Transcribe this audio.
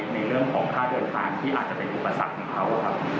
ในเรื่องของค่าเดินทางที่อาจจะเป็นอุปสรรคของเขาครับ